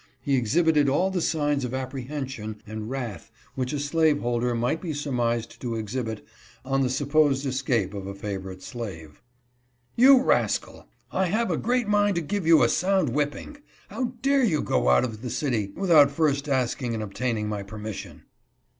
He exhibited all the signs of apprehension and wrath which a slave holder might be surmised to exhibit on the supposed escape of a favorite slave. " You rascal ! I have a great mind to give you a sound whipping. How dare you go out of the city without first asking and obtaining my per mission?"